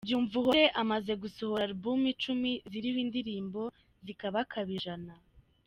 Byumvuhore amaze gusohora album icumi ziriho indirimbo zikabakaba ijana.